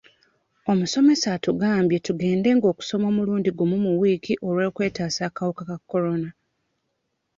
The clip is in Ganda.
Omusomesa atugambye tugendanga kusoma omulundi gumu mu wiiki olw'okwetaasa akawuka ka Corona.